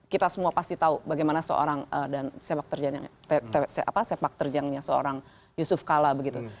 kita semua pasti tahu bagaimana seorang dan sepak terjangnya seorang yusuf kala begitu